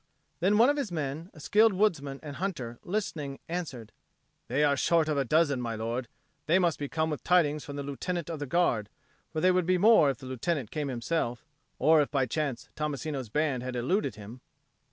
Then one of his men, a skilled woodsman and hunter, listening, answered, "They are short of a dozen, my lord. They must be come with tidings from the Lieutenant of the Guard. For they would be more if the Lieutenant came himself, or if by chance Tommasino's band had eluded him."